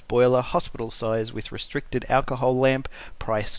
Boiler Hospital Size with restricted alcohol lamp Price 2.